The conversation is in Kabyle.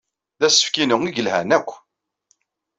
D asefk-inu ay yelhan akk!